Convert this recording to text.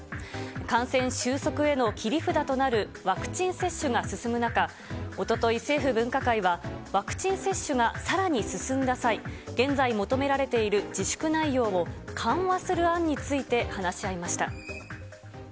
感染収束への切り札となるワクチン接種が進む中、おととい、政府分科会はワクチン接種がさらに進んだ際、現在求められている自粛内容を、緩和する案について、話し合いました。